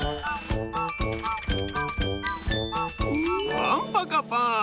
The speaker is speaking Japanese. パンパカパーン！